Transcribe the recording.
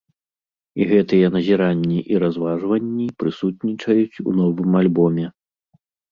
І гэтыя назіранні і разважанні прысутнічаюць у новым альбоме.